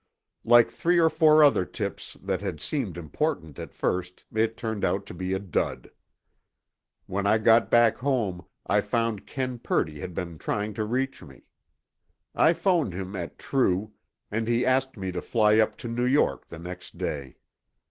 Like three or four other tips that had seemed important at first, it turned out to be a dud. When I got back home, I found Ken Purdy had been trying to reach me. I phoned him at True, and he asked me to fly up to New York the next day.